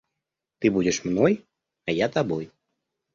Ты будешь мной, а я тобой.